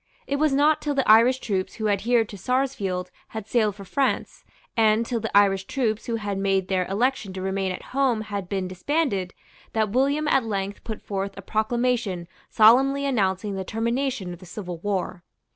It was not till the Irish troops who adhered to Sarsfield had sailed for France, and till the Irish troops who had made their election to remain at home had been disbanded, that William at length put forth a proclamation solemnly announcing the termination of the civil war.